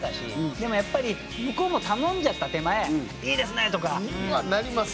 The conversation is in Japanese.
でもやっぱり向こうも頼んじゃった手前「いいですね！」とか。うわっなります。